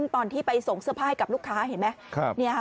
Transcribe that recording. ตอนที่ไปส่งเสื้อผ้าให้กับลูกค้าเห็นไหม